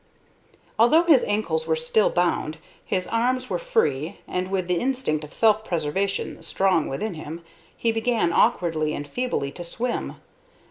Although his ankles were still bound, his arms were free, and, with the instinct of self preservation strong within him, he began, awkwardly and feebly, to swim.